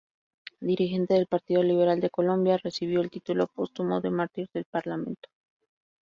Dirigente del Partido Liberal de Colombia, recibió el título póstumo de "Mártir del Parlamento".